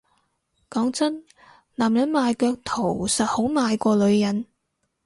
講真男人賣腳圖實好賣過女人